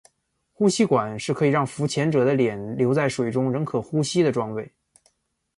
呼吸管是可让浮潜者的脸留在水中仍可呼吸的装备。